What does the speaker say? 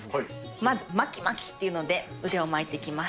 まず、巻き巻きっていうので、腕を巻いていきます。